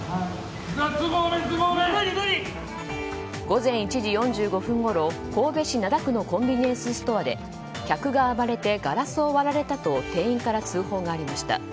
午前１時４５分ごろ神戸市灘区のコンビニエンスストアで客が暴れてガラスを割られたと店員から通報がありました。